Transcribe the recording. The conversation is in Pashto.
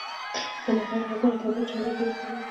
د مرغانو غږونه طبیعت ژوندی کوي